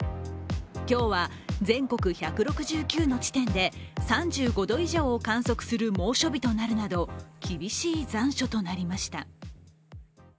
今日は全国１６９の地点で３５度以上を観測する猛暑日となるなど厳しい残暑となりました。